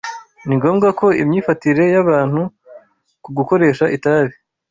Ni ngombwa ko imyifatire y’abantu ku gukoresha itabi